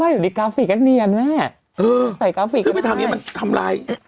ไม่อยู่ดีกราฟิกก็เนียมแน่เออซื้อไปทางนี้มันทำลาย